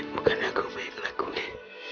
bukan aku yang lakunya